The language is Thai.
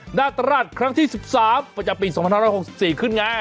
หน้าตราชครั้งที่๑๓ประจำปี๒๕๖๔ขึ้นไง